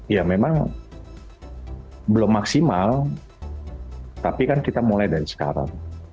ya memang belum maksimal tapi kan kita mulai dari sekarang